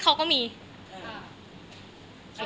เค้าเคยใส่เนี่ยค่ะ